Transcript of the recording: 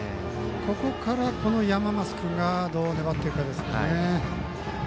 ここから山増君がどう粘っていくかですね。